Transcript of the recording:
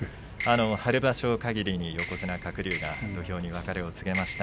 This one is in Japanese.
春場所かぎりで横綱鶴竜が土俵に別れを告げました。